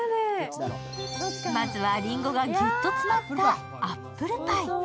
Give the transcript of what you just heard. まずは、りんごがギュッと詰まったアップルパイ。